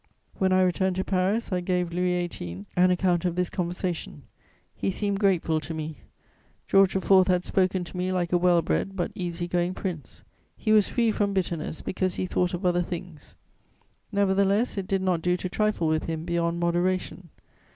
When I returned to Paris, I gave Louis XVIII. an account of this conversation: he seemed grateful to me. George IV. had spoken to me like a well bred but easy going prince; he was free from bitterness because he thought of other things. Nevertheless it did not do to trifle with him beyond moderation.